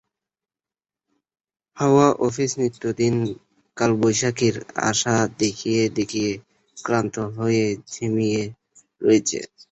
হাওয়া অফিস নিত্যদিন কালবৈশাখীর আশা দেখিয়ে দেখিয়ে ক্লান্ত হয়ে ঝিমিয়ে রয়েছে।